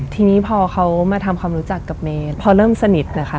ทีนี้พอเขามาทำความรู้จักกับเมย์พอเริ่มสนิทนะคะ